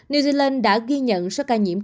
new zealand đã ghi nhận số ca nhiễm